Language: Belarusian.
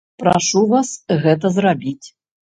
Прашу вас гэта зрабіць.